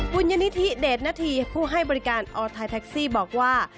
ยนิธิเดชนาธีผู้ให้บริการออทัยแท็กซี่บอกว่า